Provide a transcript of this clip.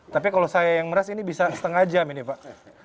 tapi kalau saya yang meras ini bisa setengah jam ini pak